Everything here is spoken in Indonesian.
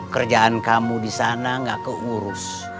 kerjaan kamu di sana gak keurus